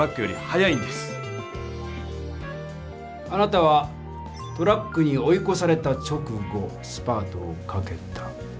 あなたはトラックに追いこされた直後スパートをかけた。